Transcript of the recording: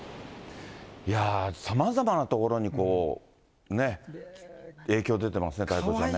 さまざまな所に影響出てますね、太蔵ちゃんね。